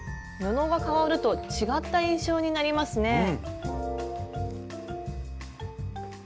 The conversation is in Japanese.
布が変わると違った印象になりますね。